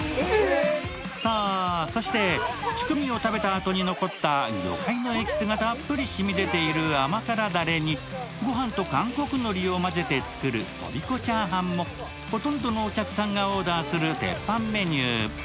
さあ、そしてチュクミを食べたあとに残った魚介のエキスがたっぷり染み出ている甘辛だれにごはんと韓国のりを混ぜて作るとびこチャーハンもほとんどのお客さんがオーダーする鉄板メニュー。